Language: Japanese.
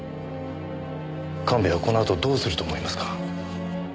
神戸はこのあとどうすると思いますか？